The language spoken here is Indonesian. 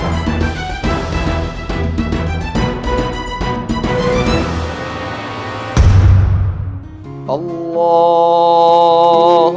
dan nanti kamu akan mendapatkan dindingan gosok